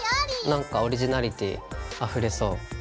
なんかオリジナリティーあふれそう。